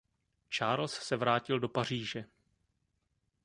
Charles se vrátil do Paříže.